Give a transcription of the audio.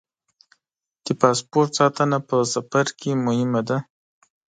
د پاسپورټ ساتنه په سفر کې مهمه ده.